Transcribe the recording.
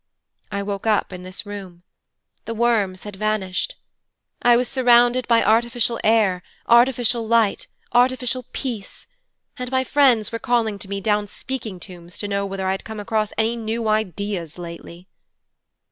I woke up in this room. The worms had vanished. I was surrounded by artificial air, artificial light, artificial peace, and my friends were calling to me down speaking tubes to know whether I had come across any new ideas lately.'